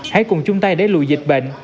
hãy cùng chung tay đẩy lùi dịch bệnh